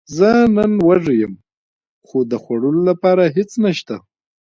زه نن وږی یم، خو د خوړلو لپاره هیڅ نشته